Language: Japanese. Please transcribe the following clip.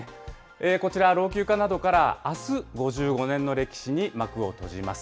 こちら、老朽化などから、あす５５年の歴史に幕を閉じます。